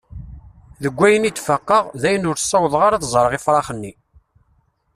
Deg ayen i d-faqeɣ, dayen ur ssawḍeɣ ara ad ẓreɣ ifrax-nni.